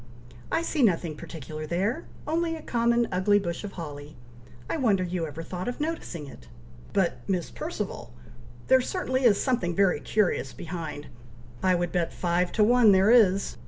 "I see nothing particular there! only a common ugly bush of holly! I wonder you ever thought of noticing it!" "But, Miss Perceval! there certainly is something very curious behind! I would bet five to one there is!"